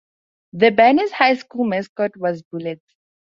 The Barnes High School mascot was Bullets.